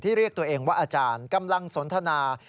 เรียกตัวเองว่าอาจารย์กำลังสนทนา